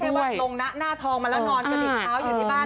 คือไม่ใช่ว่าลงหน้าทองมาแล้วนอนกระดิ่งเท้าอยู่ที่บ้าน